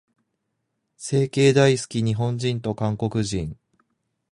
整形大好き、日本人と韓国人。